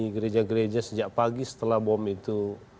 gereja gereja sejak pagi setelah bom itu